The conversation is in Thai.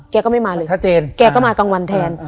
แกก็ไม่มาเลยแกก็มากลางวันแทน